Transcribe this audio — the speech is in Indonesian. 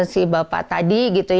si bapak tadi